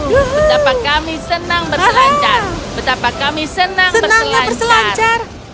betapa kami senang berselancar